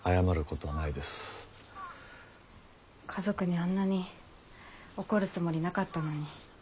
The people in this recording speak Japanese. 家族にあんなに怒るつもりなかったのに。